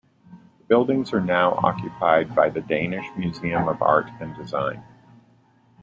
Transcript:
The buildings are now occupied by the Danish Museum of Art and Design.